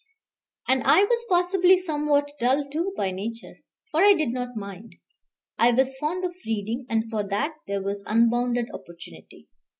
And I was possibly somewhat dull too by nature, for I did not mind. I was fond of reading, and for that there was unbounded opportunity.